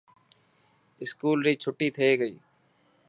اسڪول ري ڇٽي ٿي گئي.